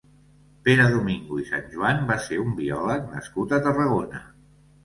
Pere Domingo i Sanjuán va ser un biòleg nascut a Tarragona.